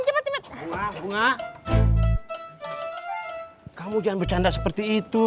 bapak berhati hatinya ntar aja ya gue udah telat